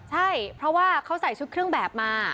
ใช่เพราะว่าเขาใส่ชุดเครื่องแบบมา